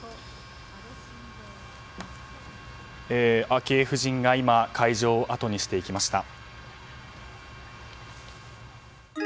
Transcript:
昭恵夫人が今会場をあとにしていきました。